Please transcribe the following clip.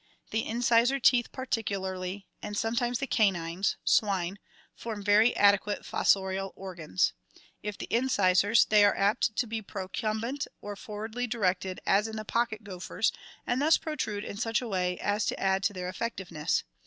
The incisor teeth particularly, and sometimes the canines (swine) form very adequate fossorial organs. If the incisors, they are apt to be procumbent or forwardly directed as in the pocket gophers and thus protrude in such a way as to add to their effectiveness.